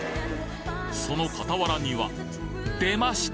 その傍らにはでました！